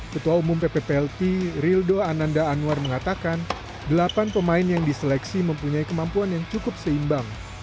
ketua umum ppplt rildo ananda anwar mengatakan delapan pemain yang diseleksi mempunyai kemampuan yang cukup seimbang